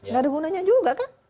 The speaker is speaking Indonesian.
gak ada gunanya juga kan